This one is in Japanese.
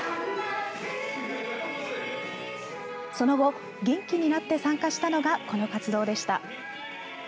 その後、元気になって参加したのが、この活動でした。